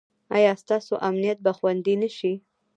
ایا ستاسو امنیت به خوندي نه شي؟